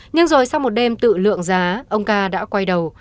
nhưng rồi sau một đêm tự lượng giá ông ca đã quay đầu